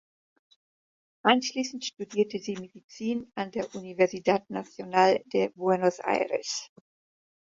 Anschließend studierte sie Medizin an der Universidad Nacional de Buenos Aires.